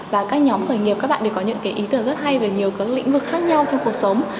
và các nhóm khởi nghiệp các bạn đều có những ý tưởng rất hay về nhiều lĩnh vực khác nhau trong cuộc sống